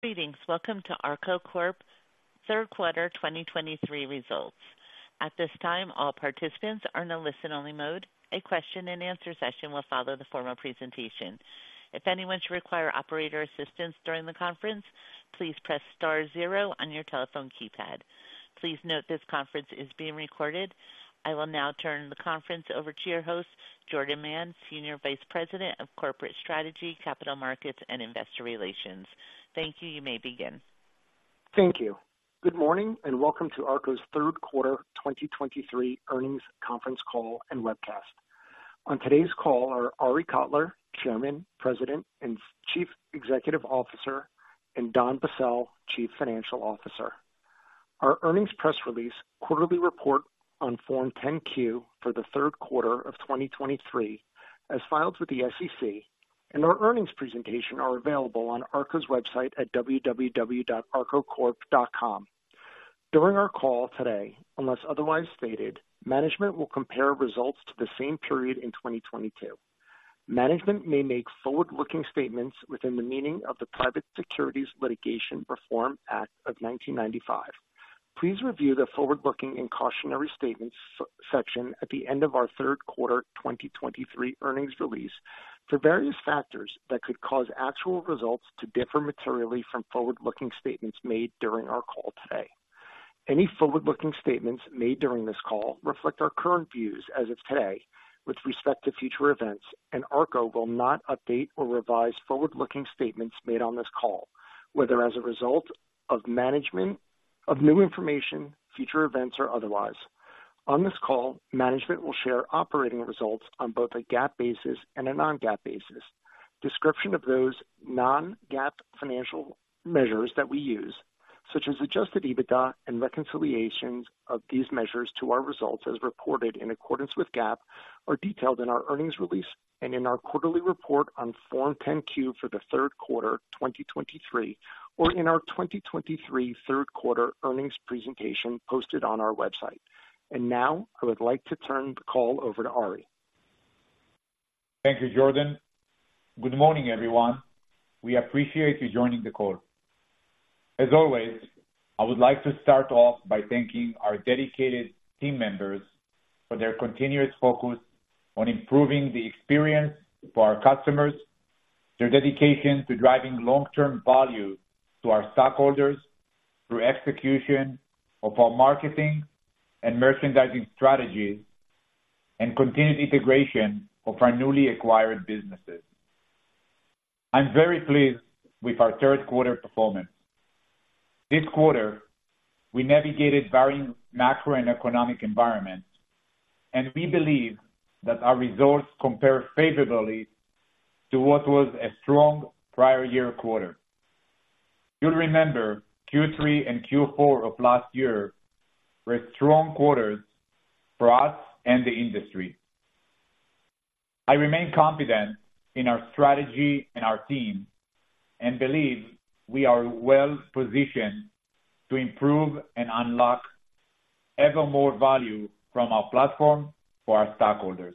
Greetings. Welcome to ARKO Corp.'s Q3 2023 results. At this time, all participants are in a listen-only mode. A question and answer session will follow the formal presentation. If anyone should require operator assistance during the conference, please press star zero on your telephone keypad. Please note this conference is being recorded. I will now turn the conference over to your host, Jordan Mann, Senior Vice President of Corporate Strategy, Capital Markets, and Investor Relations. Thank you. You may begin. Thank you. Good morning, and welcome to ARKO's Q3 2023 earnings conference call and webcast. On today's call are Arie Kotler, Chairman, President, and Chief Executive Officer, and Don Bassell, Chief Financial Officer. Our earnings press release, quarterly report on Form 10-Q for the Q3 of 2023, as filed with the SEC, and our earnings presentation are available on ARKO's website at www.arkocorp.com. During our call today, unless otherwise stated, management will compare results to the same period in 2022. Management may make forward-looking statements within the meaning of the Private Securities Litigation Reform Act of 1995. Please review the forward-looking and cautionary statements section at the end of our Q3 2023 earnings release for various factors that could cause actual results to differ materially from forward-looking statements made during our call today. Any forward-looking statements made during this call reflect our current views as of today with respect to future events, and ARKO will not update or revise forward-looking statements made on this call, whether as a result of management, of new information, future events, or otherwise. On this call, management will share operating results on both a GAAP basis and a non-GAAP basis. Description of those non-GAAP financial measures that we use, such as Adjusted EBITDA and reconciliations of these measures to our results as reported in accordance with GAAP, are detailed in our earnings release and in our quarterly report on Form 10-Q for the Q3 2023, or in our 2023 Q3 earnings presentation posted on our website. Now, I would like to turn the call over to Arie. Thank you, Jordan. Good morning, everyone. We appreciate you joining the call. As always, I would like to start off by thanking our dedicated team members for their continuous focus on improving the experience for our customers, their dedication to driving long-term value to our stockholders through execution of our marketing and merchandising strategies, and continued integration of our newly acquired businesses. I'm very pleased with our Q3 performance. This quarter, we navigated varying macro and economic environments, and we believe that our results compare favorably to what was a strong prior year quarter. You'll remember Q3 and Q4 of last year were strong quarters for us and the industry. I remain confident in our strategy and our team, and believe we are well positioned to improve and unlock ever more value from our platform for our stockholders.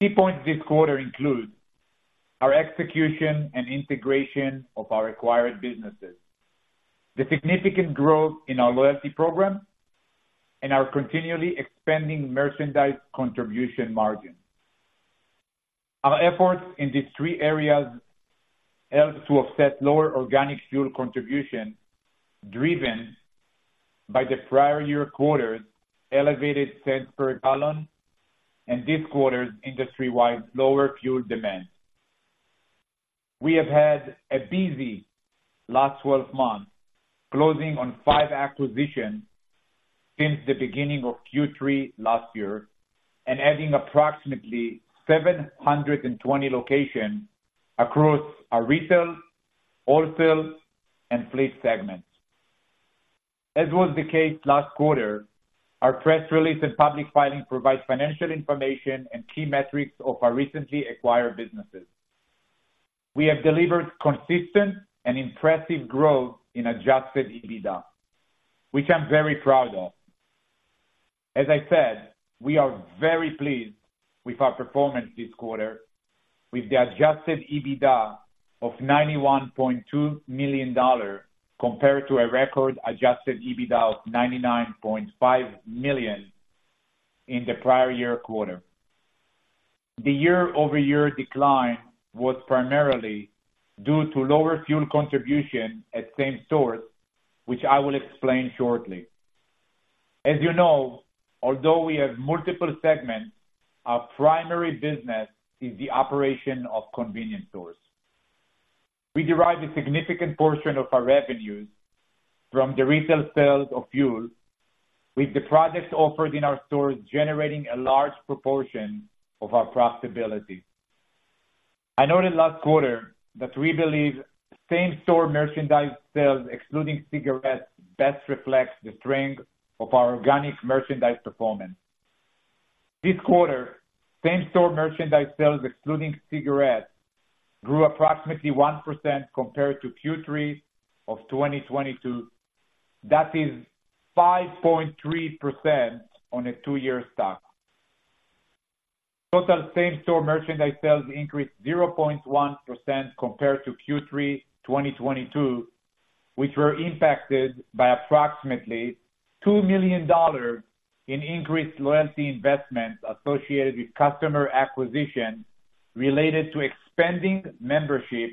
Key points this quarter include our execution and integration of our acquired businesses, the significant growth in our loyalty program, and our continually expanding merchandise contribution margin. Our efforts in these three areas helped to offset lower organic fuel contribution, driven by the prior year quarter's elevated cents per gallon and this quarter's industry-wide lower fuel demand. We have had a busy last twelve months, closing on five acquisitions since the beginning of Q3 last year and adding approximately 720 locations across our retail, wholesale, and fleet segments. As was the case last quarter, our press release and public filing provides financial information and key metrics of our recently acquired businesses. We have delivered consistent and impressive growth in Adjusted EBITDA, which I'm very proud of. As I said, we are very pleased with our performance this quarter with the Adjusted EBITDA of $91.2 million compared to a record Adjusted EBITDA of $99.5 million in the prior year quarter. The year-over-year decline was primarily due to lower fuel contribution at same-store, which I will explain shortly. As you know, although we have multiple segments, our primary business is the operation of convenience stores. We derive a significant portion of our revenues from the retail sales of fuel, with the products offered in our stores generating a large proportion of our profitability. I noted last quarter that we believe same-store merchandise sales, excluding cigarettes, best reflects the strength of our organic merchandise performance. This quarter, same-store merchandise sales, excluding cigarettes, grew approximately 1% compared to Q3 of 2022. That is 5.3% on a two-year stack... Total same-store merchandise sales increased 0.1% compared to Q3 2022, which were impacted by approximately $2 million in increased loyalty investments associated with customer acquisition related to expanding membership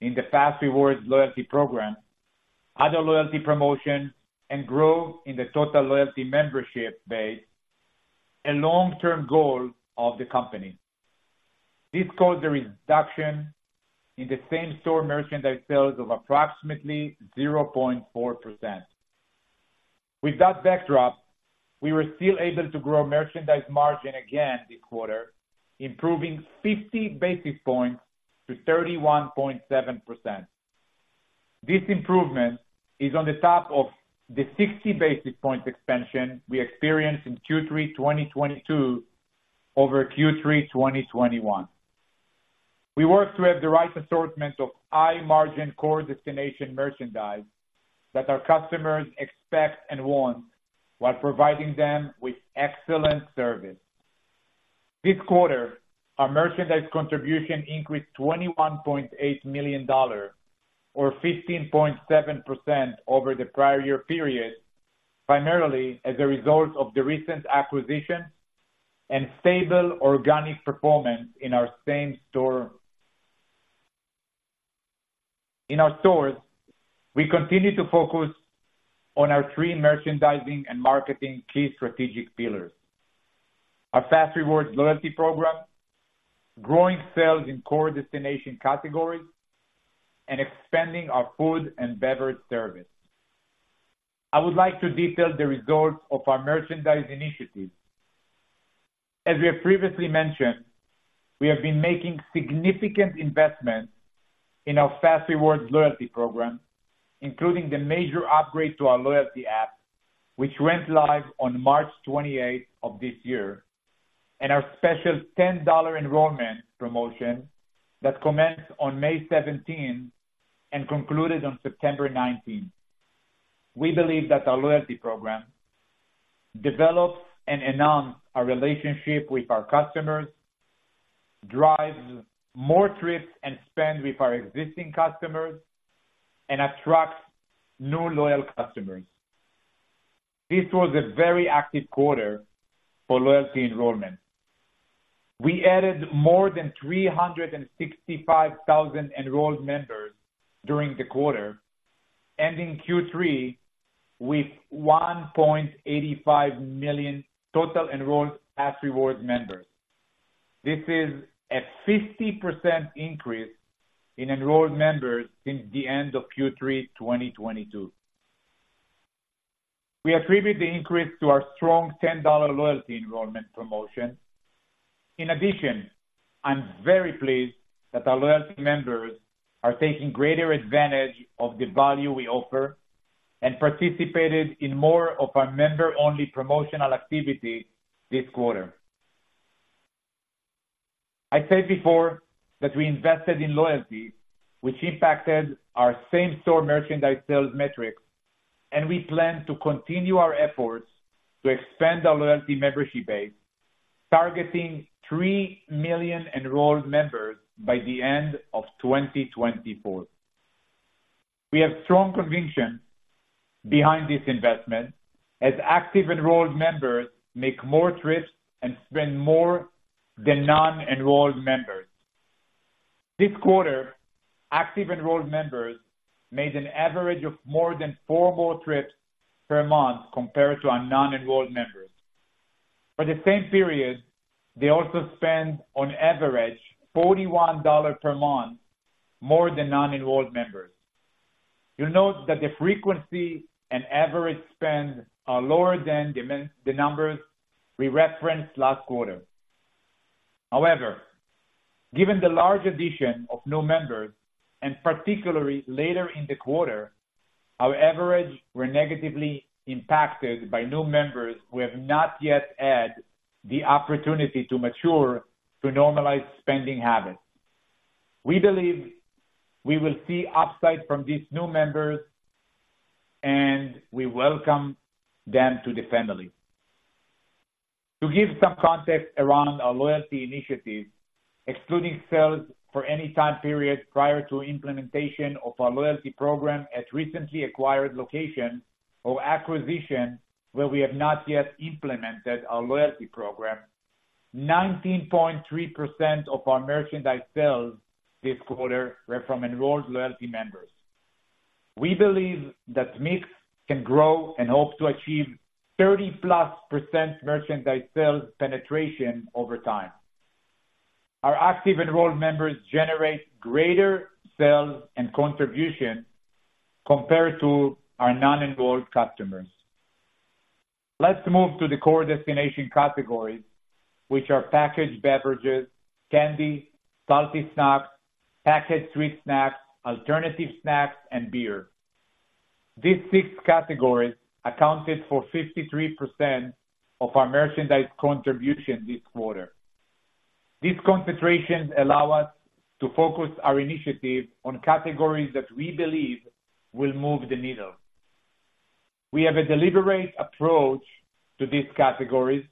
in the fas REWARDS loyalty program, other loyalty promotion, and growth in the total loyalty membership base, a long-term goal of the company. This caused a reduction in the same-store merchandise sales of approximately 0.4%. With that backdrop, we were still able to grow merchandise margin again this quarter, improving 50 basis points to 31.7%. This improvement is on the top of the 60 basis points expansion we experienced in Q3 2022 over Q3 2021. We work to have the right assortment of high-margin core destination merchandise that our customers expect and want, while providing them with excellent service. This quarter, our merchandise contribution increased $21.8 million or 15.7% over the prior year period, primarily as a result of the recent acquisition and stable organic performance in our same store. In our stores, we continue to focus on our three merchandising and marketing key strategic pillars: our fas REWARDS loyalty program, growing sales in core destination categories, and expanding our food and beverage service. I would like to detail the results of our merchandise initiatives. As we have previously mentioned, we have been making significant investments in our fas REWARDS loyalty program, including the major upgrade to our loyalty app, which went live on March 28 of this year, and our special $10 enrollment promotion that commenced on May 17 and concluded on September 19. We believe that our loyalty program develops and enhances our relationship with our customers, drives more trips and spend with our existing customers, and attracts new loyal customers. This was a very active quarter for loyalty enrollment. We added more than 365,000 enrolled members during the quarter, ending Q3 with 1.85 million total enrolled fas REWARDS members. This is a 50% increase in enrolled members since the end of Q3 2022. We attribute the increase to our strong $10 loyalty enrollment promotion. In addition, I'm very pleased that our loyalty members are taking greater advantage of the value we offer, and participated in more of our member-only promotional activity this quarter. I said before that we invested in loyalty, which impacted our same-store merchandise sales metrics, and we plan to continue our efforts to expand our loyalty membership base, targeting three million enrolled members by the end of 2024. We have strong conviction behind this investment as active enrolled members make more trips and spend more than non-enrolled members. This quarter, active enrolled members made an average of more than four more trips per month compared to our non-enrolled members. For the same period, they also spend on average $41 per month, more than non-enrolled members. You'll note that the frequency and average spend are lower than the numbers we referenced last quarter. However, given the large addition of new members, and particularly later in the quarter, our averages were negatively impacted by new members who have not yet had the opportunity to mature to normalize spending habits. We believe we will see upside from these new members, and we welcome them to the family. To give some context around our loyalty initiatives, excluding sales for any time period prior to implementation of our loyalty program at recently acquired locations or acquisitions, where we have not yet implemented our loyalty program, 19.3% of our merchandise sales this quarter were from enrolled loyalty members. We believe that mix can grow and hope to achieve 30%+ merchandise sales penetration over time. Our active enrolled members generate greater sales and contribution compared to our non-enrolled customers. Let's move to the core destination categories, which are packaged beverages, candy, salty snacks, packaged sweet snacks, alternative snacks, and beer. These six categories accounted for 53% of our merchandise contribution this quarter. These concentrations allow us to focus our initiatives on categories that we believe will move the needle. We have a deliberate approach to these categories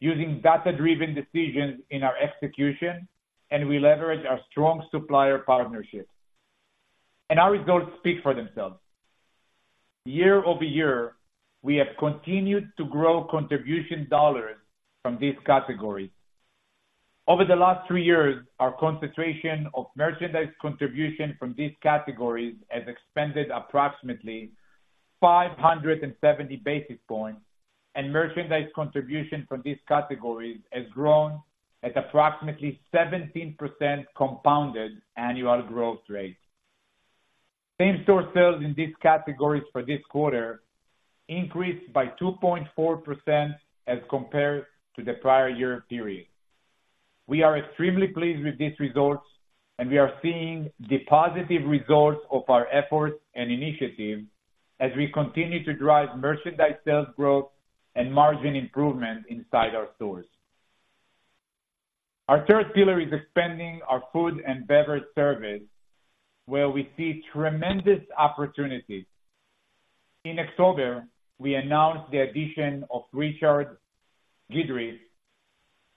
using data-driven decisions in our execution, and we leverage our strong supplier partnerships. Our results speak for themselves. Year-over-year, we have continued to grow contribution dollars from these categories. Over the last three years, our concentration of merchandise contribution from these categories has expanded approximately 570 basis points, and merchandise contribution from these categories has grown at approximately 17% compounded annual growth rate. Same-store sales in these categories for this quarter increased by 2.4% as compared to the prior year period. We are extremely pleased with these results, and we are seeing the positive results of our efforts and initiatives as we continue to drive merchandise sales growth and margin improvement inside our stores. Our third pillar is expanding our food and beverage service, where we see tremendous opportunities. In October, we announced the addition of Richard Guidry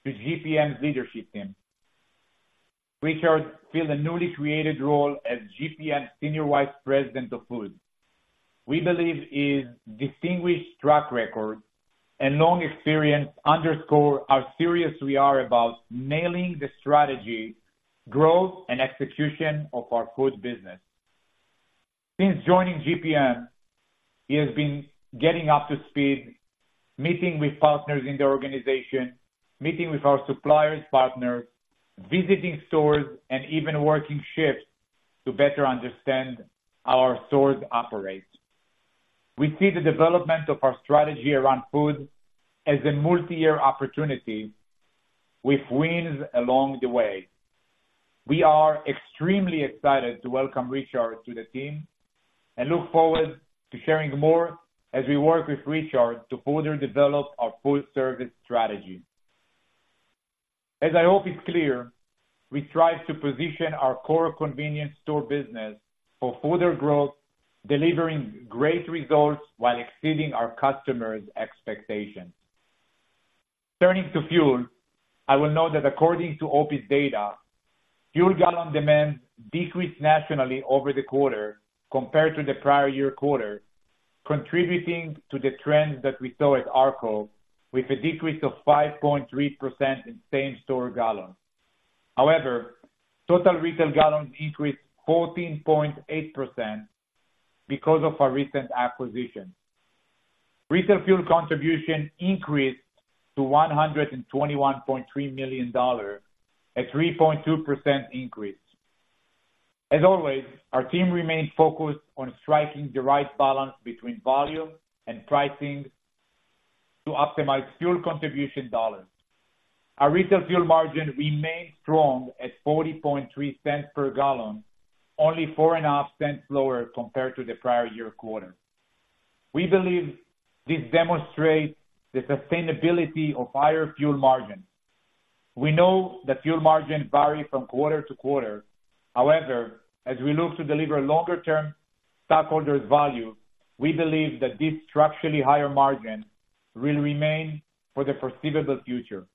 to GPM's leadership team. Richard filled a newly created role as GPM Senior Vice President of Food. We believe his distinguished track record and long experience underscore how serious we are about nailing the strategy, growth, and execution of our food business. Since joining GPM, he has been getting up to speed, meeting with partners in the organization, meeting with our suppliers, partners, visiting stores, and even working shifts to better understand how our stores operate. We see the development of our strategy around food as a multi-year opportunity with wins along the way. We are extremely excited to welcome Richard to the team, and look forward to sharing more as we work with Richard to further develop our food service strategy. As I hope it's clear, we strive to position our core convenience store business for further growth, delivering great results while exceeding our customers' expectations. Turning to fuel, I will note that according to OPIS data, fuel gallon demand decreased nationally over the quarter compared to the prior year quarter, contributing to the trends that we saw at ARKO, with a decrease of 5.3% in same-store gallons. However, total retail gallons increased 14.8% because of our recent acquisition. Retail fuel contribution increased to $121.3 million, a 3.2% increase. As always, our team remains focused on striking the right balance between volume and pricing to optimize fuel contribution dollars. Our retail fuel margin remains strong at $0.403 per gallon, only $0.045 lower compared to the prior year quarter. We believe this demonstrates the sustainability of higher fuel margins. We know that fuel margins vary from quarter to quarter. However, as we look to deliver longer-term stockholders value, we believe that these structurally higher margins will remain for the foreseeable future.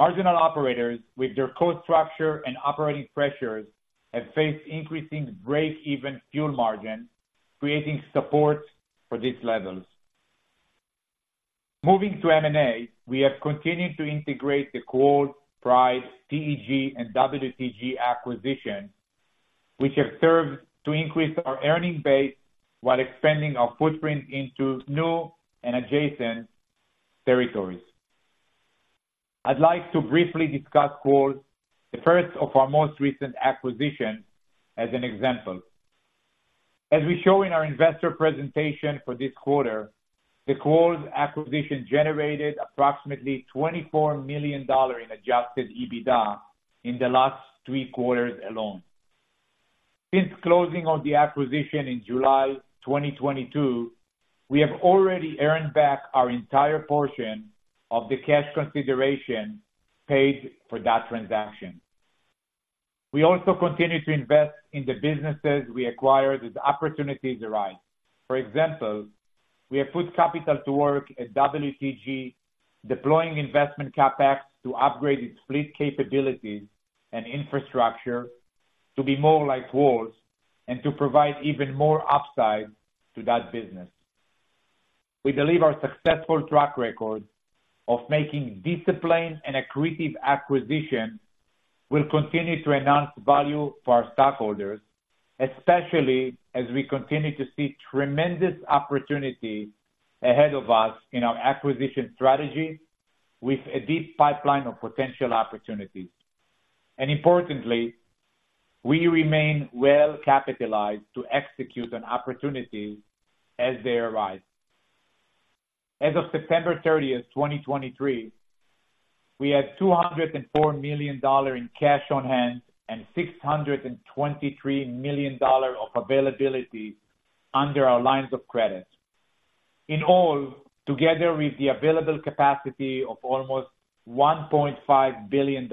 Marginal operators, with their cost structure and operating pressures, have faced increasing break-even fuel margins, creating support for these levels. Moving to M&A, we have continued to integrate the Quarles, Pride, TEG, and WTG acquisition, which have served to increase our earning base while expanding our footprint into new and adjacent territories. I'd like to briefly discuss Quarles, the first of our most recent acquisitions, as an example. As we show in our investor presentation for this quarter, the Quarles acquisition generated approximately $24 million in Adjusted EBITDA in the last three quarters alone. Since closing on the acquisition in July 2022, we have already earned back our entire portion of the cash consideration paid for that transaction. We also continue to invest in the businesses we acquire as opportunities arise. For example, we have put capital to work at WTG, deploying investment CapEx to upgrade its fleet capabilities and infrastructure to be more like Quarles's and to provide even more upside to that business. We believe our successful track record of making disciplined and accretive acquisitions will continue to enhance value for our stockholders, especially as we continue to see tremendous opportunity ahead of us in our acquisition strategy with a deep pipeline of potential opportunities. And importantly, we remain well-capitalized to execute on opportunities as they arise. As of September 30, 2023, we had $204 million in cash on hand and $623 million of availability under our lines of credit. In all, together with the available capacity of almost $1.5 billion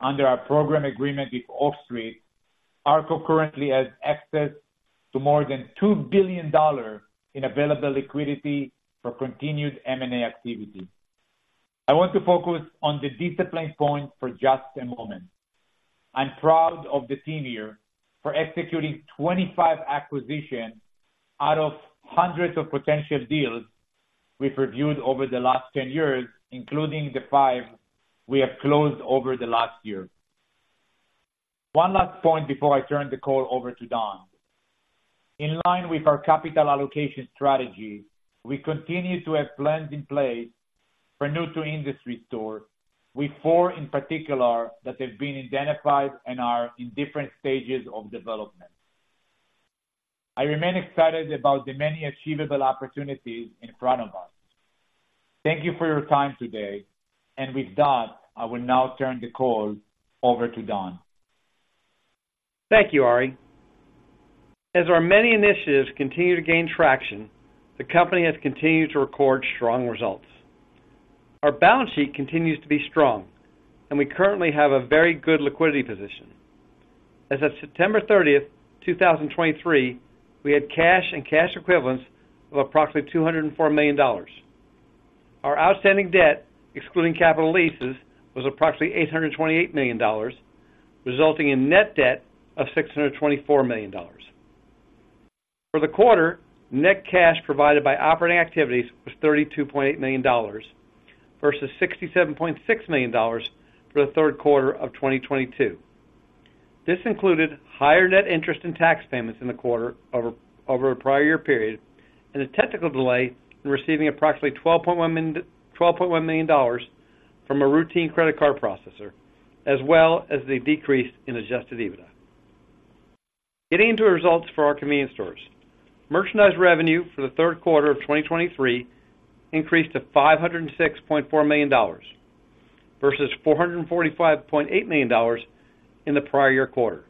under our program agreement with Oak Street, ARKO currently has access to more than $2 billion in available liquidity for continued M&A activity. I want to focus on the discipline point for just a moment. I'm proud of the team here for executing 25 acquisitions out of hundreds of potential deals we've reviewed over the last 10 years, including the five we have closed over the last year. One last point before I turn the call over to Don. In line with our capital allocation strategy, we continue to have plans in place for new to industry store, with four in particular that have been identified and are in different stages of development. I remain excited about the many achievable opportunities in front of us. Thank you for your time today, and with that, I will now turn the call over to Don. Thank you, Arie. As our many initiatives continue to gain traction, the company has continued to record strong results. Our balance sheet continues to be strong, and we currently have a very good liquidity position. As of September 30, 2023, we had cash and cash equivalents of approximately $204 million. Our outstanding debt, excluding capital leases, was approximately $828 million, resulting in net debt of $624 million. For the quarter, net cash provided by operating activities was $32.8 million versus $67.6 million for the Q3 of 2022. This included higher net interest and tax payments in the quarter over a prior year period, and a technical delay in receiving approximately $12.1 million, $12.1 million dollars from a routine credit card processor, as well as the decrease in Adjusted EBITDA. Getting into the results for our convenience stores. Merchandise revenue for the Q3 of 2023 increased to $506.4 million versus $445.8 million in the prior year quarter.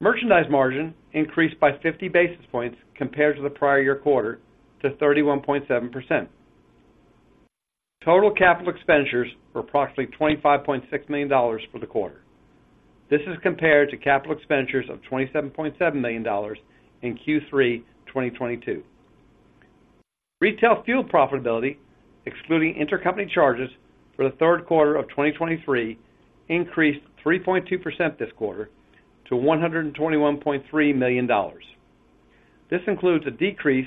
Merchandise margin increased by 50 basis points compared to the prior year quarter to 31.7%. Total capital expenditures were approximately $25.6 million for the quarter. This is compared to capital expenditures of $27.7 million in Q3 2022. Retail fuel profitability, excluding intercompany charges for the Q3 of 2023, increased 3.2% this quarter to $121.3 million. This includes a decrease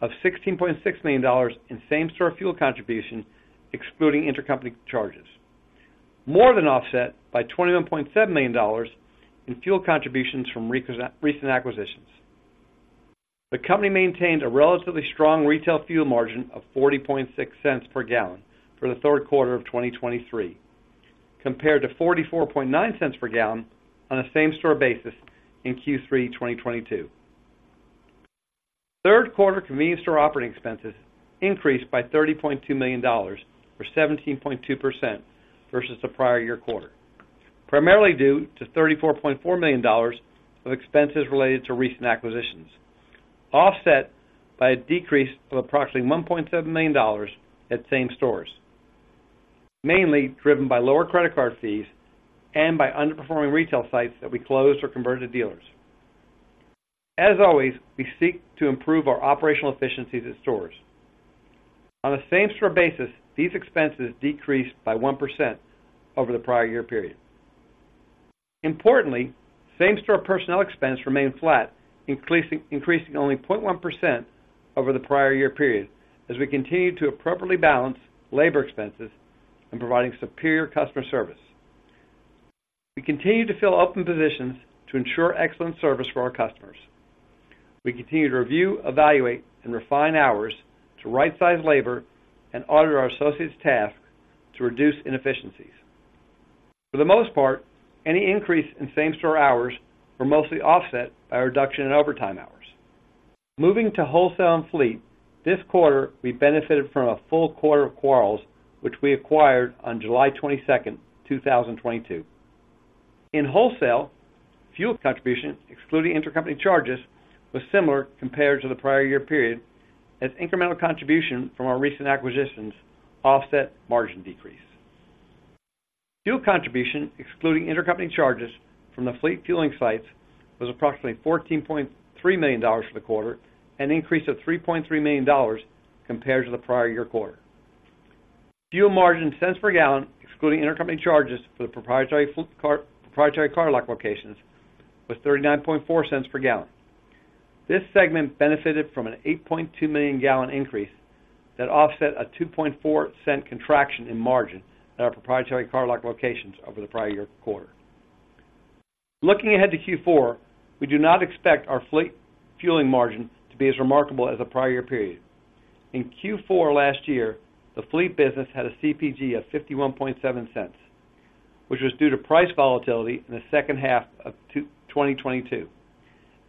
of $16.6 million in same-store fuel contribution, excluding intercompany charges, more than offset by $21.7 million in fuel contributions from recent acquisitions. The company maintained a relatively strong retail fuel margin of 40.6 cents per gallon for the Q3 of 2023, compared to 44.9 cents per gallon on a same-store basis in Q3 2022. Q3 convenience store operating expenses increased by $30.2 million, or 17.2% versus the prior year quarter, primarily due to $34.4 million of expenses related to recent acquisitions, offset by a decrease of approximately $1.7 million at same-store, mainly driven by lower credit card fees and by underperforming retail sites that we closed or converted to dealers. As always, we seek to improve our operational efficiencies at stores. On a same-store basis, these expenses decreased by 1% over the prior year period. Importantly, same-store personnel expense remained flat, increasing only 0.1% over the prior year period, as we continue to appropriately balance labor expenses and providing superior customer service. We continue to fill open positions to ensure excellent service for our customers. We continue to review, evaluate, and refine hours to right-size labor and audit our associates tasks to reduce inefficiencies. For the most part, any increase in same-store hours were mostly offset by a reduction in overtime hours. Moving to wholesale and fleet, this quarter, we benefited from a full quarter of Quarles, which we acquired on July 22, 2022. In wholesale, fuel contribution, excluding intercompany charges, was similar compared to the prior year period, as incremental contribution from our recent acquisitions offset margin decrease. Fuel contribution, excluding intercompany charges from the fleet fueling sites, was approximately $14.3 million for the quarter, an increase of $3.3 million compared to the prior year quarter. Fuel margin cents per gallon, excluding intercompany charges for the proprietary cardlock locations, was 39.4 cents per gallon. This segment benefited from an 8.2 million-gallon increase that offset a $0.024 contraction in margin at our proprietary cardlock locations over the prior year quarter. Looking ahead to Q4, we do not expect our fleet fueling margin to be as remarkable as the prior year period. In Q4 last year, the fleet business had a CPG of $0.517, which was due to price volatility in the second half of 2022,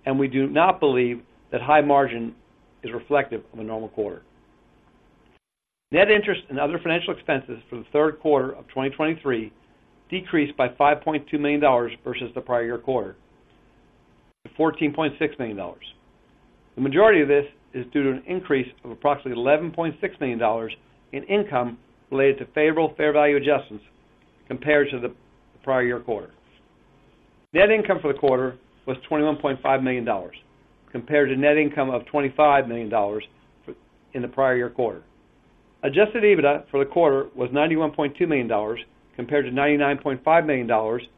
and we do not believe that high margin is reflective of a normal quarter. Net interest and other financial expenses for the Q3 of 2023 decreased by $5.2 million versus the prior year quarter to $14.6 million. The majority of this is due to an increase of approximately $11.6 million in income related to favorable fair value adjustments compared to the prior year quarter. Net income for the quarter was $21.5 million, compared to net income of $25 million in the prior year quarter. Adjusted EBITDA for the quarter was $91.2 million, compared to $99.5 million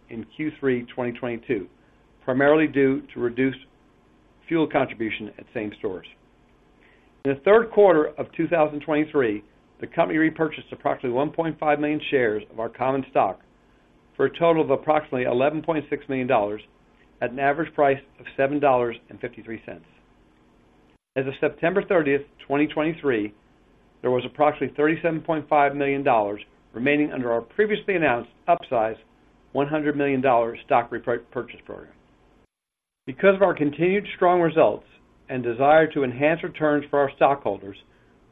in Q3 2022, primarily due to reduced fuel contribution at same stores. In the Q3 of 2023, the company repurchased approximately 1.5 million shares of our common stock, for a total of approximately $11.6 million at an average price of $7.53. As of September 30, 2023, there was approximately $37.5 million remaining under our previously announced upsized $100 million stock purchase program. Because of our continued strong results and desire to enhance returns for our stockholders,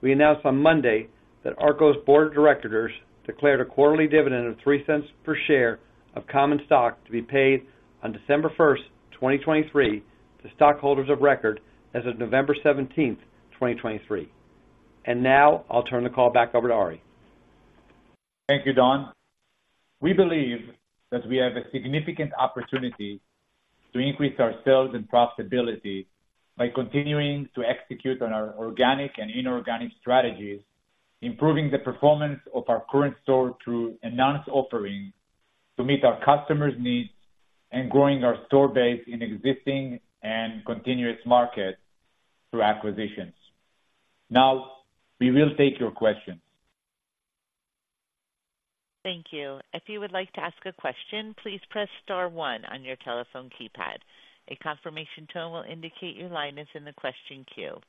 we announced on Monday that ARKO's Board of Directors declared a quarterly dividend of $0.03 per share of common stock to be paid on December 1, 2023, to stockholders of record as of November 17, 2023. And now I'll turn the call back over to Arie. Thank you, Don. We believe that we have a significant opportunity to increase our sales and profitability by continuing to execute on our organic and inorganic strategies, improving the performance of our current store through enhanced offerings to meet our customers' needs, and growing our store base in existing and continuous markets through acquisitions. Now, we will take your questions. Thank you. If you would like to ask a question, please press star one on your telephone keypad. A confirmation tone will indicate your line is in the question queue.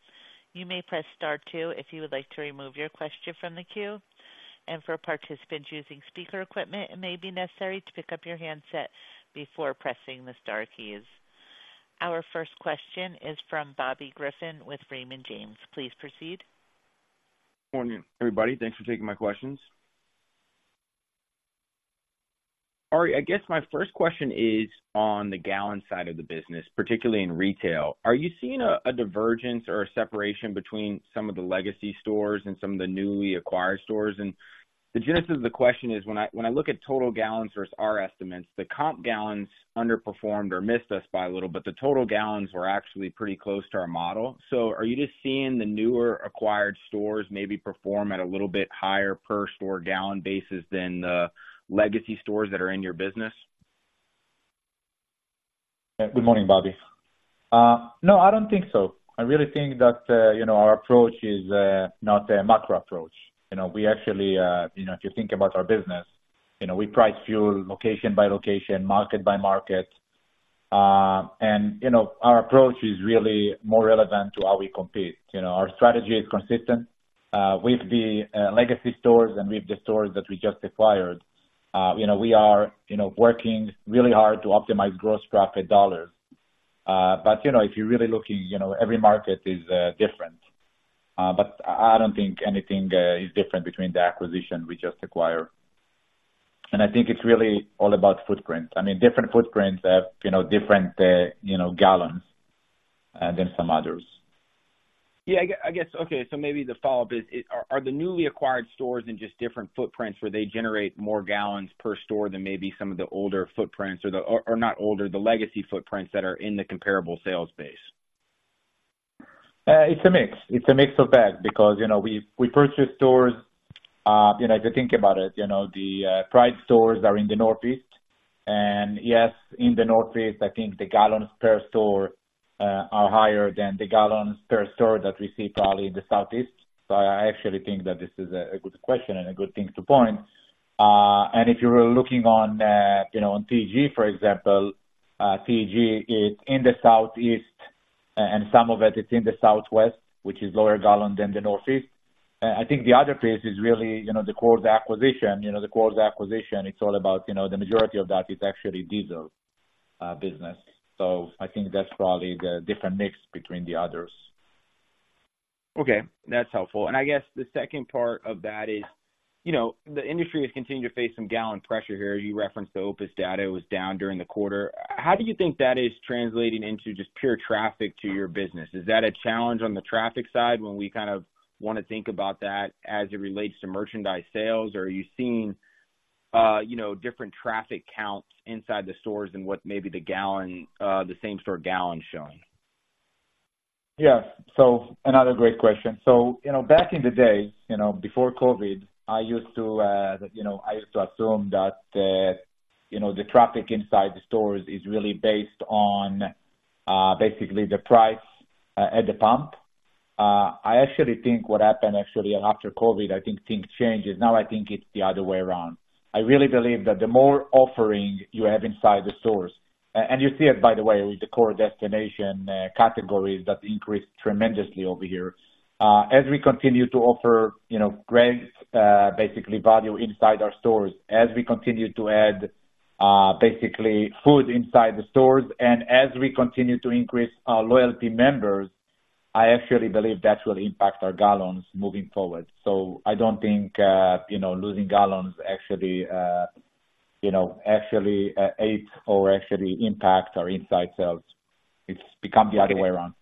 You may press star two if you would like to remove your question from the queue, and for participants using speaker equipment, it may be necessary to pick up your handset before pressing the star keys. Our first question is from Bobby Griffin with Raymond James. Please proceed. Morning, everybody. Thanks for taking my questions. Arie, I guess my first question is on the gallon side of the business, particularly in retail. Are you seeing a divergence or a separation between some of the legacy stores and some of the newly acquired stores? And the genesis of the question is, when I look at total gallons versus our estimates, the comp gallons underperformed or missed us by a little, but the total gallons were actually pretty close to our model. So are you just seeing the newer acquired stores maybe perform at a little bit higher per store gallon basis than the legacy stores that are in your business? Good morning, Bobby. No, I don't think so. I really think that, you know, our approach is not a macro approach. You know, we actually, you know, if you think about our business, you know, we price fuel location by location, market by market. And, you know, our approach is really more relevant to how we compete. You know, our strategy is consistent with the legacy stores and with the stores that we just acquired. You know, we are, you know, working really hard to optimize gross profit dollars. But, you know, if you're really looking, you know, every market is different. But I don't think anything is different between the acquisition we just acquired. And I think it's really all about footprint. I mean, different footprints have, you know, different, you know, gallons than some others. Yeah, I guess, okay, so maybe the follow-up is, are the newly acquired stores in just different footprints where they generate more gallons per store than maybe some of the older footprints or not older, the legacy footprints that are in the comparable sales base? It's a mix. It's a mix of that, because, you know, we purchase stores, you know, if you think about it, you know, the Pride stores are in the Northeast. And yes, in the Northeast, I think the gallons per store are higher than the gallons per store that we see probably in the Southeast. So I actually think that this is a good question and a good thing to point. And if you were looking on, you know, on TEG, for example, TEG is in the Southeast, and some of it is in the Southwest, which is lower gallon than the Northeast. I think the other piece is really, you know, the core acquisition. You know, the core acquisition, it's all about, you know, the majority of that is actually diesel business. So I think that's probably the different mix between the others. Okay. That's helpful. I guess the second part of that is, you know, the industry has continued to face some gallon pressure here. You referenced the OPIS data was down during the quarter. How do you think that is translating into just pure traffic to your business? Is that a challenge on the traffic side when we kind of want to think about that as it relates to merchandise sales? Or are you seeing, you know, different traffic counts inside the stores than what maybe the gallon, the same store gallon showing? Yeah. So another great question. So, you know, back in the day, you know, before COVID, I used to, you know, I used to assume that, you know, the traffic inside the stores is really based on, basically the price, at the pump. I actually think what happened actually after COVID, I think things changes. Now, I think it's the other way around. I really believe that the more offering you have inside the stores, and you see it, by the way, with the core destination, categories that increased tremendously over here. As we continue to offer, you know, great, basically value inside our stores, as we continue to add, basically food inside the stores. And as we continue to increase our loyalty members, I actually believe that will impact our gallons moving forward. I don't think, you know, losing gallons actually, you know, actually, aid or actually impact our inside sales. It's become the other way around.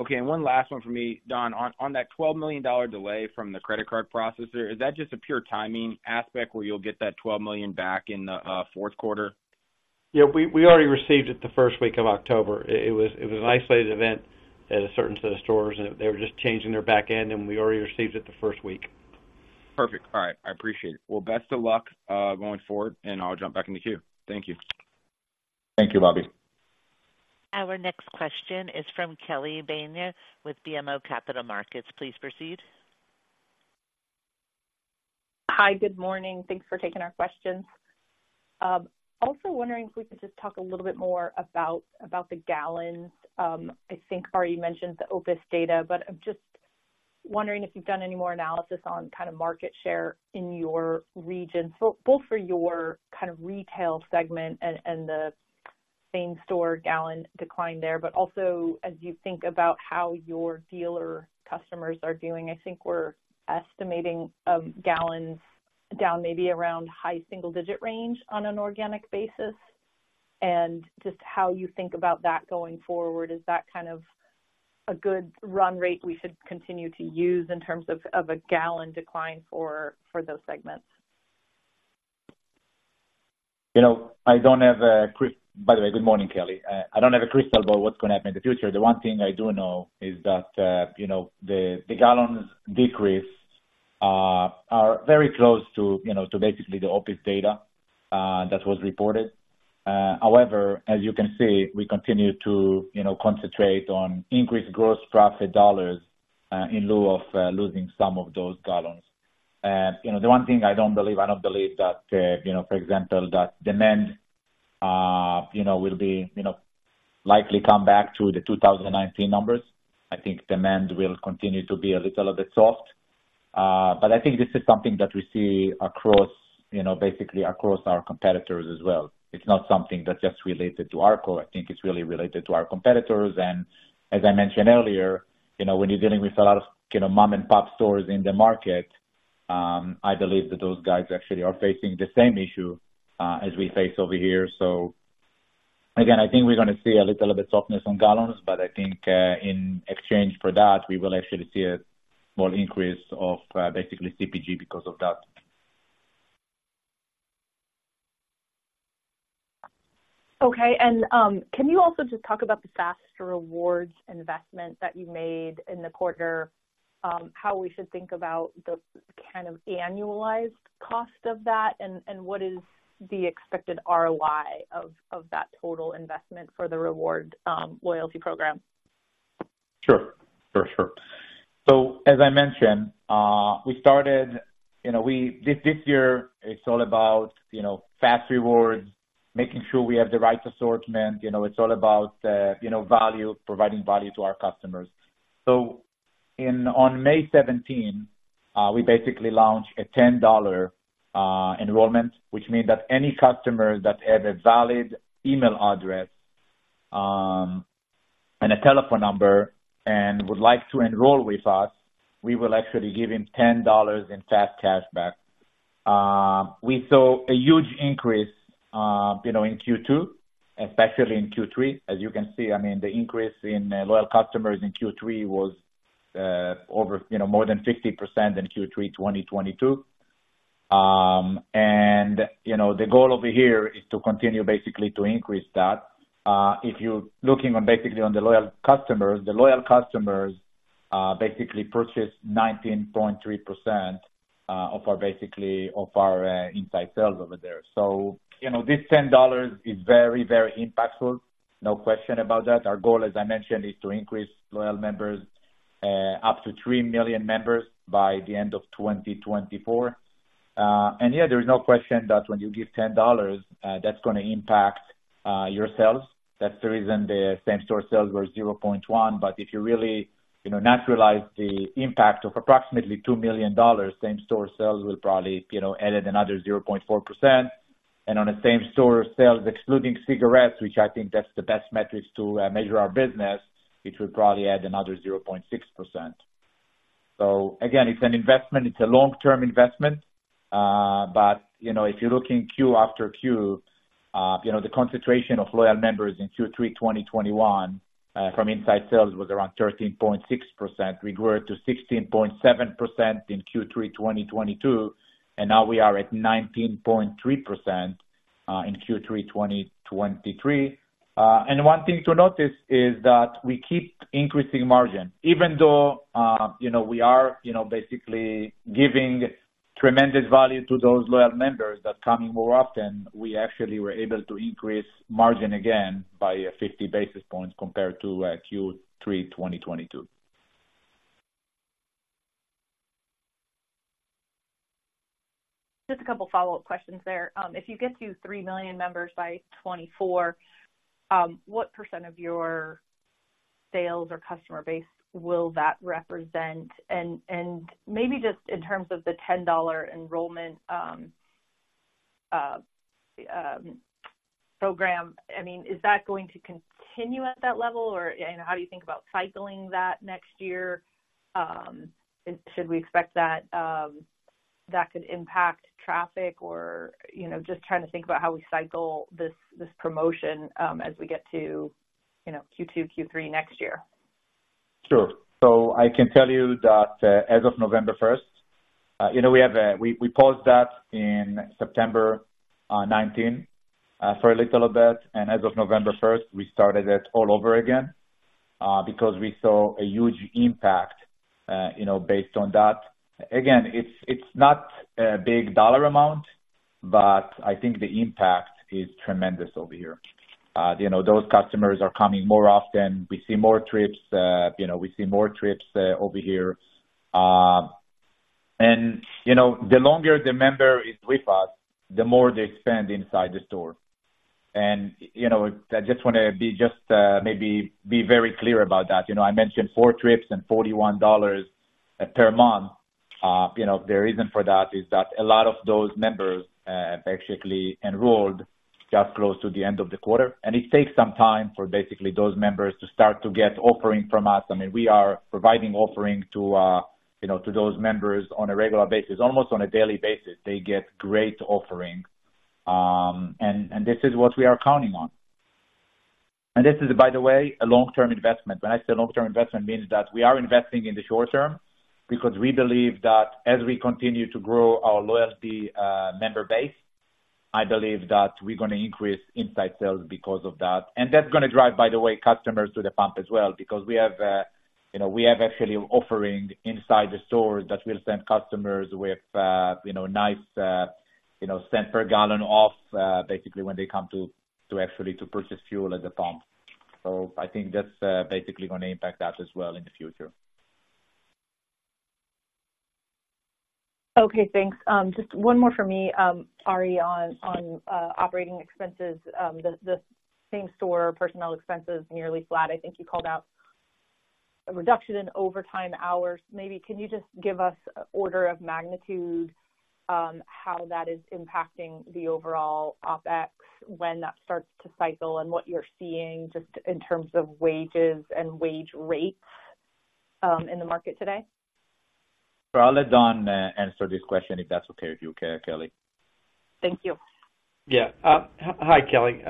Okay. One last one for me, Don. On that $12 million delay from the credit card processor, is that just a pure timing aspect where you'll get that $12 million back in the Q4? Yeah, we already received it the first week of October. It was an isolated event at a certain set of stores, and they were just changing their back end, and we already received it the first week. Perfect. All right. I appreciate it. Well, best of luck going forward, and I'll jump back in the queue. Thank you. Thank you, Bobby. Our next question is from Kelly Bania with BMO Capital Markets. Please proceed. Hi, good morning. Thanks for taking our questions. Also wondering if we could just talk a little bit more about the gallons. I think you already mentioned the OPIS data, but I'm just wondering if you've done any more analysis on kind of market share in your region, so both for your kind of retail segment and the same store gallon decline there, but also as you think about how your dealer customers are doing. I think we're estimating gallons down maybe around high single digit range on an organic basis. And just how you think about that going forward, is that kind of a good run rate we should continue to use in terms of a gallon decline for those segments? know, I don't have a crystal ball what's gonna happen in the future. By the way, good morning, Kelly. I don't have a crystal ball what's gonna happen in the future. The one thing I do know is that, you know, the gallon decrease are very close to, you know, to basically the OPIS data that was reported. However, as you can see, we continue to, you know, concentrate on increased gross profit dollars in lieu of losing some of those gallons. You know, the one thing I don't believe, I don't believe that, you know, for example, that demand, you know, will be, you know, likely come back to the 2019 numbers. I think demand will continue to be a little bit soft. But I think this is something that we see across, you know, basically across our competitors as well. It's not something that's just related to ARKO. I think it's really related to our competitors. And as I mentioned earlier, you know, when you're dealing with a lot of, you know, mom-and-pop stores in the market, I believe that those guys actually are facing the same issue as we face over here. So again, I think we're gonna see a little bit of softness on gallons, but I think in exchange for that, we will actually see a small increase of basically CPG because of that. Okay. Can you also just talk about the fas REWARDS investment that you made in the quarter, how we should think about the kind of annualized cost of that? And what is the expected ROI of that total investment for the fas REWARDS loyalty program? Sure. For sure. So as I mentioned, we started, you know, this year, it's all about, you know, fas REWARDS, making sure we have the right assortment. You know, it's all about, you know, value, providing value to our customers. So on May seventeen, we basically launched a $10 enrollment, which means that any customer that has a valid email address, and a telephone number and would like to enroll with us, we will actually give him $10 in fas CASH back. We saw a huge increase, you know, in Q2, especially in Q3. As you can see, I mean, the increase in loyal customers in Q3 was over, you know, more than 50% in Q3, 2022. And, you know, the goal over here is to continue basically to increase that. If you're looking on basically on the loyal customers, the loyal customers basically purchased 19.3% of our basically, of our inside sales over there. So, you know, this $10 is very, very impactful. No question about that. Our goal, as I mentioned, is to increase loyal members up to 3 million members by the end of 2024. And yeah, there is no question that when you give $10, that's gonna impact your sales. That's the reason the same store sales were 0.1%. But if you really, you know, neutralize the impact of approximately $2 million, same store sales will probably, you know, added another 0.4%. On the same store sales, excluding cigarettes, which I think that's the best metrics to measure our business, it would probably add another 0.6%. So again, it's an investment. It's a long-term investment. But, you know, if you're looking Q after Q, you know, the concentration of loyal members in Q3 2021 from inside sales was around 13.6%. We grew it to 16.7% in Q3 2022, and now we are at 19.3% in Q3 2023. And one thing to notice is that we keep increasing margin. Even though, you know, we are, you know, basically giving tremendous value to those loyal members that come in more often, we actually were able to increase margin again by 50 basis points compared to Q3 2022. Just a couple follow-up questions there. If you get to three million members by 2024, what % of your sales or customer base will that represent? And, and maybe just in terms of the $10 enrollment program, I mean, is that going to continue at that level or, you know, how do you think about cycling that next year? Should we expect that that could impact traffic or, you know, just trying to think about how we cycle this, this promotion, as we get to, you know, Q2, Q3 next year. Sure. So I can tell you that, as of November first, you know, we have, we paused that in September 2019 for a little bit, and as of November first, we started it all over again, because we saw a huge impact, you know, based on that. Again, it's not a big dollar amount, but I think the impact is tremendous over here. You know, those customers are coming more often. We see more trips, you know, we see more trips over here. And, you know, the longer the member is with us, the more they spend inside the store. And, you know, I just wanna be just, maybe be very clear about that. You know, I mentioned four trips and $41 per month. You know, the reason for that is that a lot of those members basically enrolled just close to the end of the quarter. And it takes some time for basically those members to start to get offering from us. I mean, we are providing offering to, you know, to those members on a regular basis, almost on a daily basis. They get great offerings, and this is what we are counting on. And this is, by the way, a long-term investment. When I say long-term investment, means that we are investing in the short term because we believe that as we continue to grow our loyalty member base, I believe that we're gonna increase inside sales because of that. And that's gonna drive, by the way, customers to the pump as well, because we have, you know, we have actually offering inside the store that will send customers with, you know, nice cents per gallon off, basically when they come to actually purchase fuel at the pump. So I think that's basically gonna impact that as well in the future. Okay, thanks. Just one more for me, Arie, on operating expenses. The same store personnel expenses, nearly flat. I think you called out a reduction in overtime hours. Maybe can you just give us order of magnitude, how that is impacting the overall OpEx, when that starts to cycle, and what you're seeing just in terms of wages and wage rates, in the market today? So I'll let Don answer this question, if that's okay with you, Kelly. Thank you. Yeah. Hi, Kelly.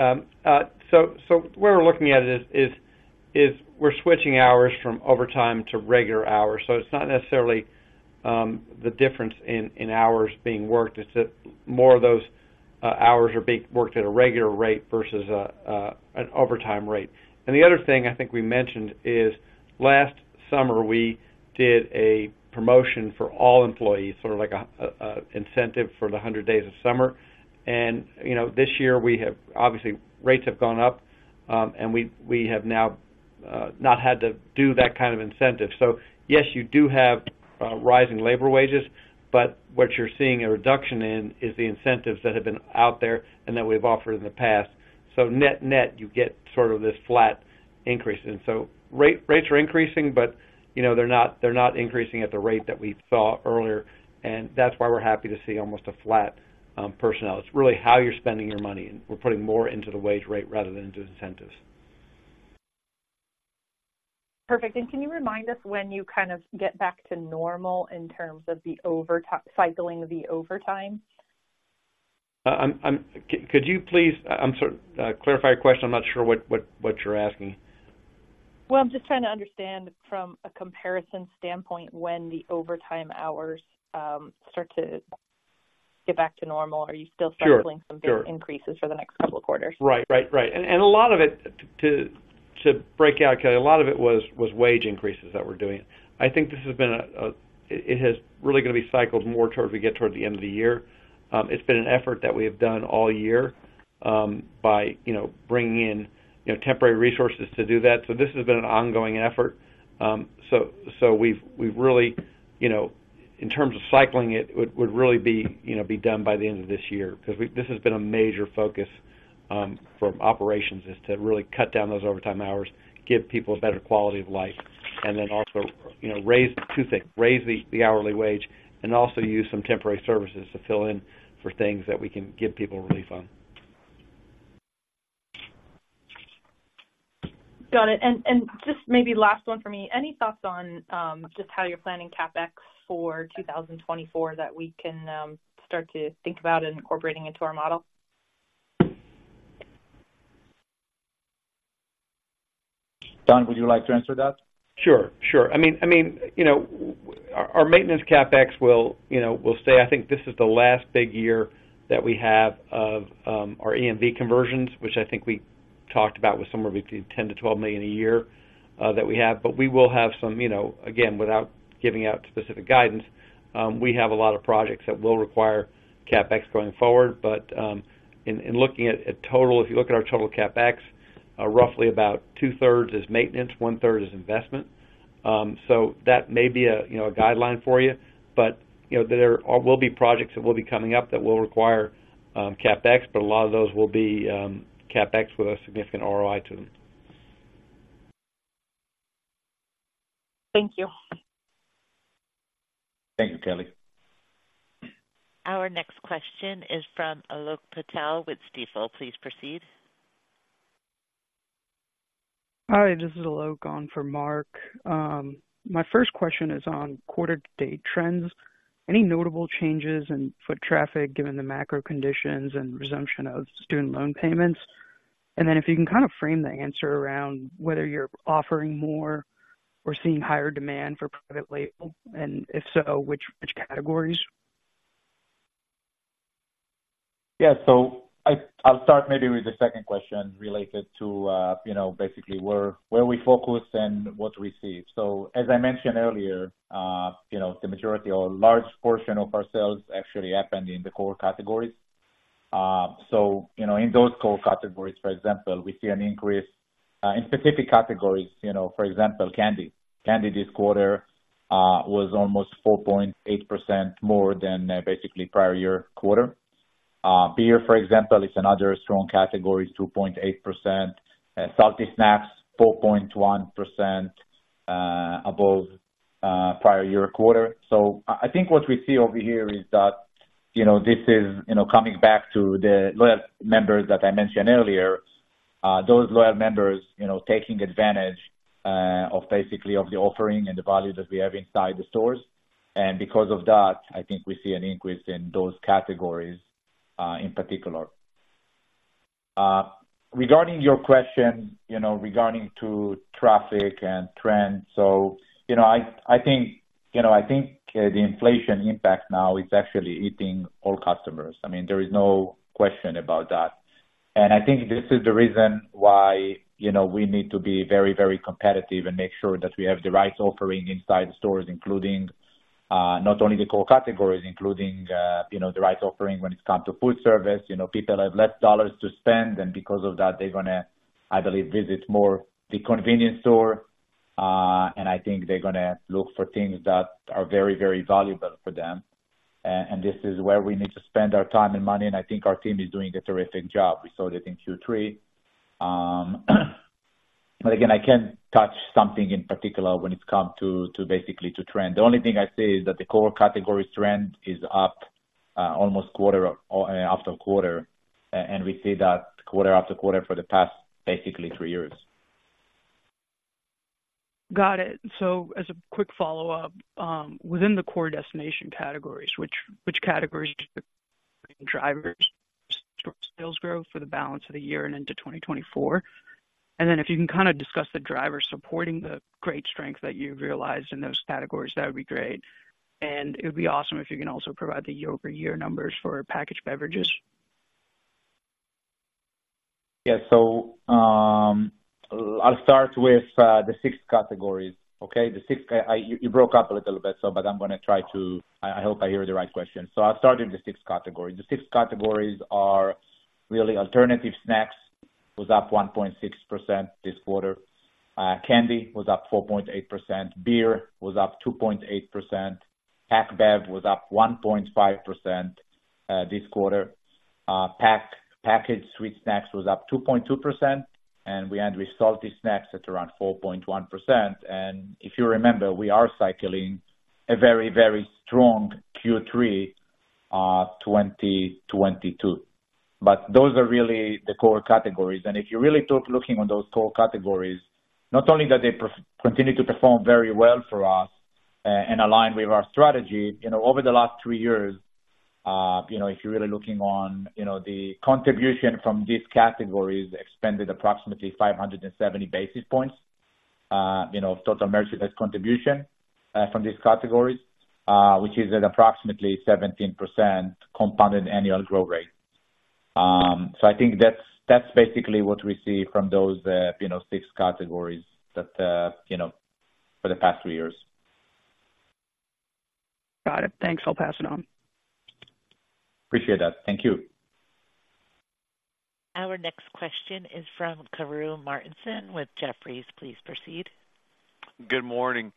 So where we're looking at it is we're switching hours from overtime to regular hours. So it's not necessarily the difference in hours being worked, it's that more of those hours are being worked at a regular rate versus an overtime rate. And the other thing I think we mentioned is last summer, we did a promotion for all employees, sort of like a incentive for the 100 Days of Summer. And, you know, this year we have... Obviously, rates have gone up, and we have now not had to do that kind of incentive. So yes, you do have rising labor wages, but what you're seeing a reduction in is the incentives that have been out there and that we've offered in the past. So net-net, you get sort of this flat increase. And so rates are increasing, but, you know, they're not, they're not increasing at the rate that we saw earlier, and that's why we're happy to see almost a flat personnel. It's really how you're spending your money, and we're putting more into the wage rate rather than into incentives. Perfect. Can you remind us when you kind of get back to normal in terms of the overtime cycling the overtime? I'm— Could you please clarify your question? I'm not sure what you're asking. Well, I'm just trying to understand from a comparison standpoint, when the overtime hours start to get back to normal. Are you still- Sure... cycling some big increases for the next couple of quarters? Right, right, right. And a lot of it, to break out, Kelly, a lot of it was wage increases that we're doing. I think this has been a. It has really gonna be cycled more towards as we get toward the end of the year. It's been an effort that we have done all year, by, you know, bringing in, you know, temporary resources to do that. So this has been an ongoing effort. So we've really, you know, in terms of cycling, it would really be, you know, done by the end of this year because this has been a major focus from operations to really cut down those overtime hours, give people a better quality of life, and then also, you know, raise two things, raise the hourly wage, and also use some temporary services to fill in for things that we can give people relief on. Got it. And just maybe last one for me. Any thoughts on just how you're planning CapEx for 2024 that we can start to think about and incorporating into our model? Don, would you like to answer that? Sure, sure. I mean, I mean, you know, our maintenance CapEx will, you know, will stay. I think this is the last big year that we have of our EMV conversions, which I think we talked about was somewhere between $10 million-$12 million a year that we have. But we will have some, you know, again, without giving out specific guidance, we have a lot of projects that will require CapEx going forward. But in looking at a total, if you look at our total CapEx, roughly about two-thirds is maintenance, one-third is investment. So that may be a, you know, a guideline for you, but, you know, there will be projects that will be coming up that will require CapEx, but a lot of those will be CapEx with a significant ROI to them. Thank you. Thank you, Kelly. Our next question is from Alok Patel with Stifel. Please proceed. Hi, this is Alok, on for Mark. My first question is on quarter-to-date trends. Any notable changes in foot traffic, given the macro conditions and resumption of student loan payments? And then if you can kind of frame the answer around whether you're offering more or seeing higher demand for private label, and if so, which, which categories? Yeah. So I'll start maybe with the second question related to, you know, basically where we focus and what we see. So as I mentioned earlier, you know, the majority or a large portion of our sales actually happened in the core categories. So, you know, in those core categories, for example, we see an increase in specific categories, you know, for example, candy. Candy this quarter was almost 4.8% more than basically prior year quarter. Beer, for example, is another strong category, 2.8%. Salty snacks, 4.1% above prior year quarter. So I think what we see over here is that, you know, this is, you know, coming back to the loyal members that I mentioned earlier, those loyal members, you know, taking advantage of basically of the offering and the value that we have inside the stores. And because of that, I think we see an increase in those categories, in particular. Regarding your question, you know, regarding to traffic and trends, so, you know, I think, you know, I think, the inflation impact now is actually hitting all customers. I mean, there is no question about that. I think this is the reason why, you know, we need to be very, very competitive and make sure that we have the right offering inside the stores, including not only the core categories, including you know, the right offering when it comes to food service. You know, people have less dollars to spend, and because of that, they're gonna, I believe, visit more the convenience store. And I think they're gonna look for things that are very, very valuable for them. And this is where we need to spend our time and money, and I think our team is doing a terrific job. We saw it in Q3. But again, I can't touch something in particular when it comes to basically to trend. The only thing I say is that the core categories trend is up, almost quarter after quarter, and we see that quarter after quarter for the past, basically three years. Got it. So as a quick follow-up, within the core destination categories, which categories are drivers store sales growth for the balance of the year and into 2024? And then if you can kind of discuss the drivers supporting the great strength that you've realized in those categories, that would be great. And it would be awesome if you can also provide the year-over-year numbers for packaged beverages. Yeah. So, I'll start with the six categories. Okay? The six... I, you, you broke up a little bit, so, but I'm gonna try to... I, I hope I hear the right question. So I'll start with the six categories. The six categories are really alternative snacks, was up 1.6% this quarter. Candy was up 4.8%. Beer was up 2.8%. Pack bev was up 1.5%, this quarter. Packaged sweet snacks was up 2.2%, and we end with salty snacks at around 4.1%. And if you remember, we are cycling a very, very strong Q3 2022. But those are really the core categories. And if you're really looking on those core categories, not only that they continue to perform very well for us, and align with our strategy, you know, over the last three years, you know, if you're really looking on, you know, the contribution from these categories expanded approximately 570 basis points, you know, total merchandise contribution from these categories, which is at approximately 17% compounded annual growth rate. So I think that's, that's basically what we see from those, you know, six categories that, you know, for the past three years. Got it. Thanks. I'll pass it on. Appreciate that. Thank you. Our next question is from Karru Martinson with Jefferies. Please proceed. Good morning.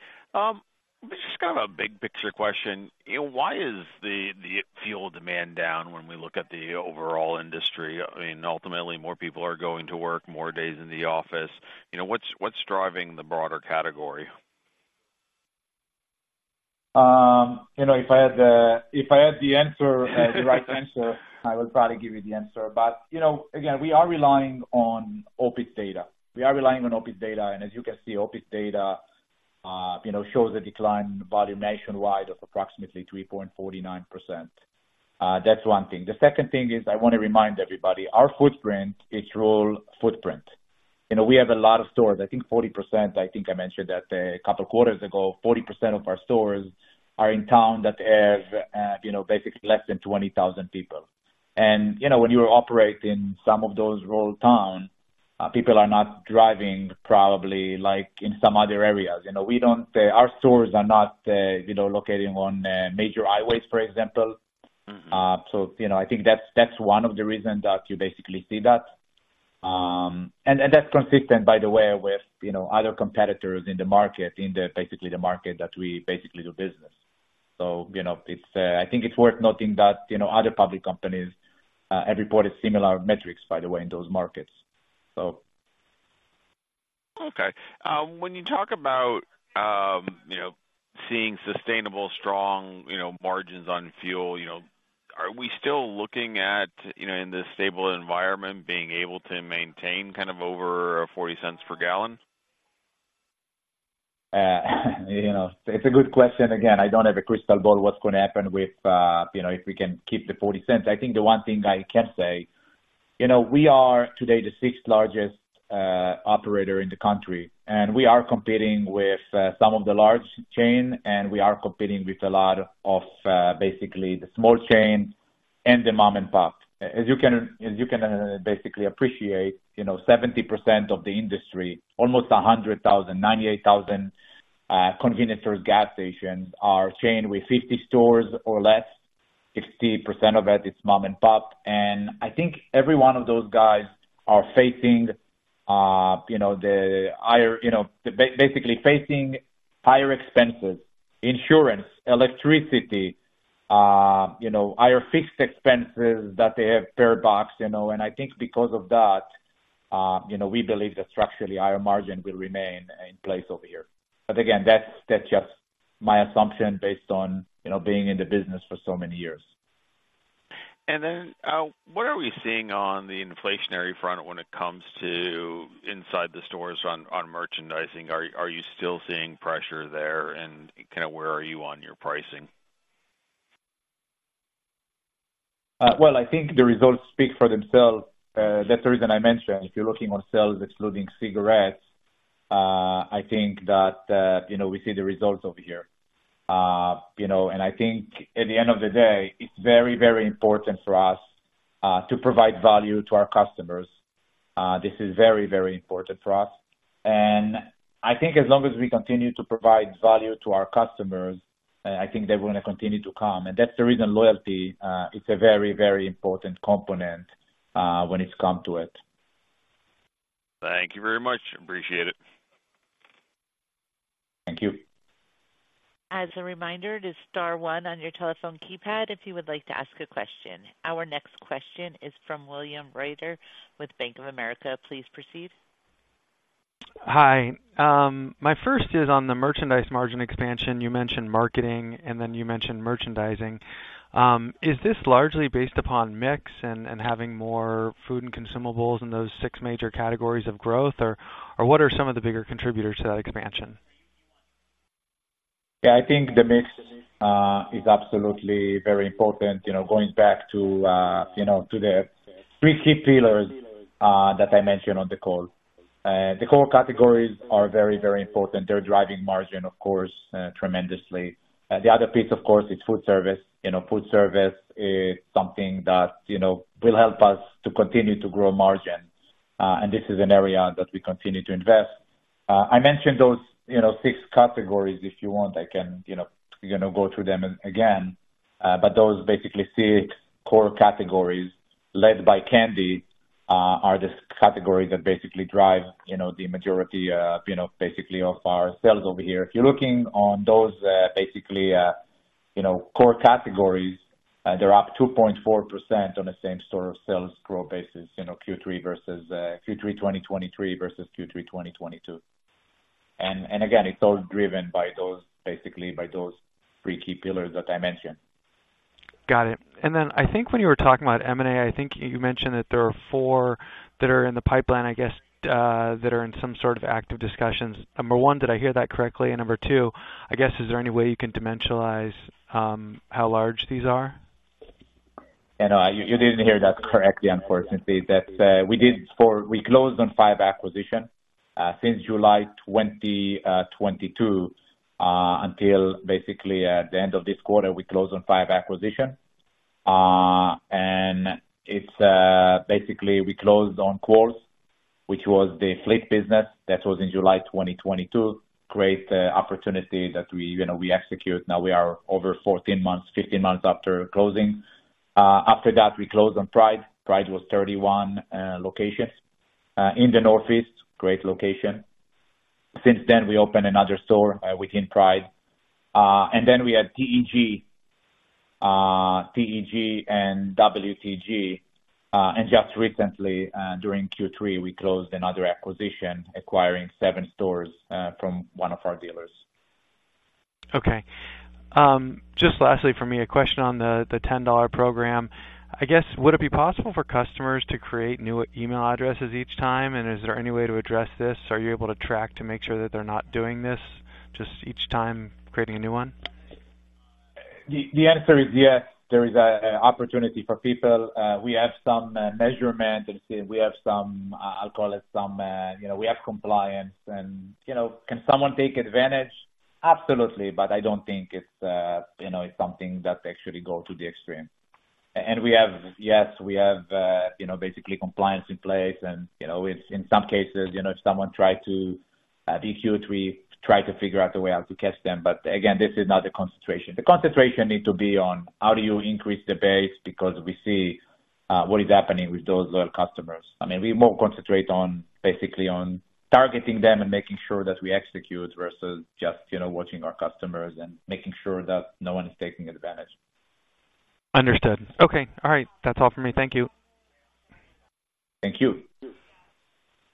Just kind of a big picture question. You know, why is the fuel demand down when we look at the overall industry? I mean, ultimately, more people are going to work, more days in the office. You know, what's driving the broader category? You know, if I had the, if I had the answer, the right answer, I would probably give you the answer. But, you know, again, we are relying on OPIS data. We are relying on OPIS data, and as you can see, OPIS data, you know, shows a decline in volume nationwide of approximately 3.49%. That's one thing. The second thing is, I want to remind everybody, our footprint is rural footprint. You know, we have a lot of stores. I think 40%, I think I mentioned that a couple quarters ago, 40% of our stores are in town that have, you know, basically less than 20,000 people. And, you know, when you operate in some of those rural towns, people are not driving, probably like in some other areas. You know, we don't... Our stores are not, you know, located on major highways, for example. Mm-hmm. So, you know, I think that's, that's one of the reasons that you basically see that.... And, and that's consistent, by the way, with, you know, other competitors in the market, in the basically the market that we basically do business. So, you know, it's, I think it's worth noting that, you know, other public companies, have reported similar metrics, by the way, in those markets, so. Okay. When you talk about, you know, seeing sustainable, strong, you know, margins on fuel, you know, are we still looking at, you know, in this stable environment, being able to maintain kind of over 40 cents per gallon? You know, it's a good question. Again, I don't have a crystal ball what's gonna happen with, you know, if we can keep the $0.40. I think the one thing I can say, you know, we are today the sixth largest operator in the country, and we are competing with some of the large chain, and we are competing with a lot of basically the small chains and the mom-and-pop. As you can basically appreciate, you know, 70% of the industry, almost 100,000, 98,000 convenience or gas stations are chain with 50 stores or less. 60% of it is mom-and-pop. And I think every one of those guys are facing, you know, the higher... You know, basically facing higher expenses, insurance, electricity, you know, higher fixed expenses that they have per box, you know? And I think because of that, you know, we believe that structurally, our margin will remain in place over here. But again, that's, that's just my assumption based on, you know, being in the business for so many years. What are we seeing on the inflationary front when it comes to inside the stores on merchandising? Are you still seeing pressure there? And kind of where are you on your pricing? Well, I think the results speak for themselves. That's the reason I mentioned, if you're looking on sales excluding cigarettes, I think that, you know, we see the results over here. You know, and I think at the end of the day, it's very, very important for us to provide value to our customers. This is very, very important for us. And I think as long as we continue to provide value to our customers, I think they're gonna continue to come, and that's the reason loyalty is a very, very important component when it's come to it. Thank you very much. Appreciate it. Thank you. As a reminder, it is star one on your telephone keypad if you would like to ask a question. Our next question is from William Rader with Bank of America. Please proceed. Hi. My first is on the merchandise margin expansion. You mentioned marketing, and then you mentioned merchandising. Is this largely based upon mix and having more food and consumables in those six major categories of growth? Or what are some of the bigger contributors to that expansion? Yeah, I think the mix is absolutely very important. You know, going back to, you know, to the three key pillars that I mentioned on the call. The core categories are very, very important. They're driving margin, of course, tremendously. The other piece, of course, is food service. You know, food service is something that, you know, will help us to continue to grow margins, and this is an area that we continue to invest. I mentioned those, you know, six categories. If you want, I can, you know, go through them again. But those basically six core categories, led by candy, are the categories that basically drive, you know, the majority, you know, basically of our sales over here. If you're looking on those, basically, you know, core categories, they're up 2.4% on the same-store sales growth basis, you know, Q3 versus Q3 2023 versus Q3 2022. And again, it's all driven by those... basically by those three key pillars that I mentioned. Got it. Then I think when you were talking about M&A, I think you mentioned that there are four that are in the pipeline, I guess, that are in some sort of active discussions. Number one, did I hear that correctly? And number two, I guess, is there any way you can dimensionalize how large these are? No, you didn't hear that correctly, unfortunately. That, we closed on 5 acquisitions, since July 2022, until basically at the end of this quarter, we closed on five acquisitions. And it's, basically, we closed on Quarles, which was the fleet business. That was in July 2022. Great, opportunity that we, you know, we execute. Now we are over 14 months, 15 months after closing. After that, we closed on Pride. Pride was 31 locations, in the Northeast. Great location. Since then, we opened another store, within Pride. And then we had TEG, TEG and WTG, and just recently, during Q3, we closed another acquisition, acquiring 7 stores, from one of our dealers. Okay. Just lastly for me, a question on the $10 program. I guess, would it be possible for customers to create new email addresses each time? And is there any way to address this? Are you able to track to make sure that they're not doing this, just each time creating a new one? The answer is yes, there is an opportunity for people. We have some measurement, and we have some. I'll call it, you know, compliance, and, you know, can someone take advantage? Absolutely, but I don't think it's, you know, it's something that actually go to the extreme. And we have... yes, we have, you know, basically compliance in place, and, you know, it's in some cases, you know, if someone tried to be cute, we try to figure out a way how to catch them. But again, this is not the concentration. The concentration need to be on how do you increase the base because we see what is happening with those loyal customers. I mean, we more concentrate on, basically on targeting them and making sure that we execute versus just, you know, watching our customers and making sure that no one is taking advantage. Understood. Okay, all right. That's all for me. Thank you. Thank you.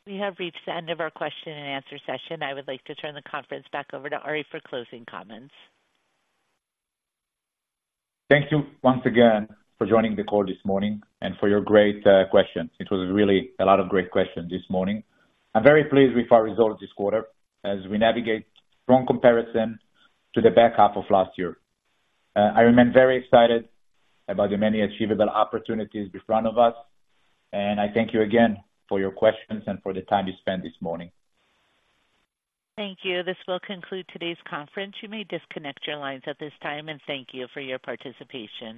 We have reached the end of our question-and-answer session. I would like to turn the conference back over to Arie for closing comments. Thank you once again for joining the call this morning and for your great questions. It was really a lot of great questions this morning. I'm very pleased with our results this quarter as we navigate strong comparison to the back half of last year. I remain very excited about the many achievable opportunities in front of us, and I thank you again for your questions and for the time you spent this morning. Thank you. This will conclude today's conference. You may disconnect your lines at this time, and thank you for your participation.